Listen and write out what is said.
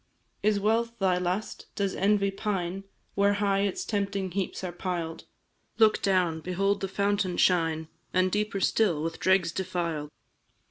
"Is wealth thy lust does envy pine Where high its tempting heaps are piled? Look down, behold the fountain shine, And, deeper still, with dregs defiled!